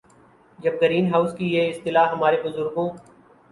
جب green house کی یہ اصطلاح ہمارے بزرگوں